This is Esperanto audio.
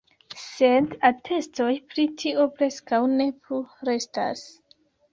Sed atestoj pri tio preskaŭ ne plu restas.